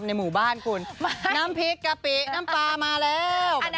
น้ำพริกกะปิน้ำปลามาแล้ว